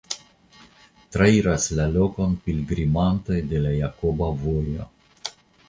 Trairas la lokon pilgrimantoj de la Jakoba Vojo.